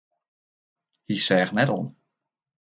Hy seach net om.